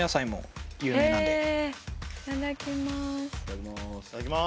いただきます。